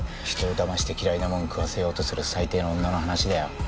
ひとをだまして嫌いなもん食わせようとする最低の女の話だよ。